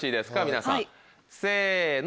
皆さんせの。